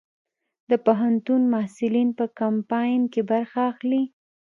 د پوهنتون محصلین په کمپاین کې برخه اخلي؟